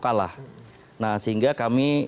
kalah nah sehingga kami